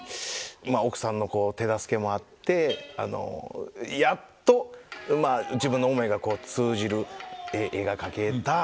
まあ奥さんの手助けもあってやっと自分の思いがこう通じる絵が描けた。